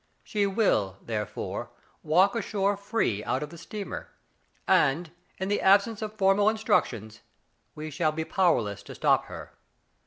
She will, therefore, walk ashore free out of the steamer, and, in the absence of formal instructions, we shall be powerless to stop her.